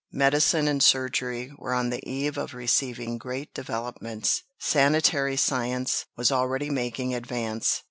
Medicine and surgery were on the eve of receiving great developments. Sanitary science was already making advance.